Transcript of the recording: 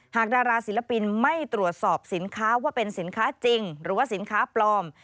ดาราศิลปินไม่ตรวจสอบสินค้าว่าเป็นสินค้าจริงหรือว่าสินค้าปลอม